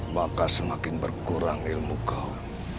maka semakin berkurang ilmu kaum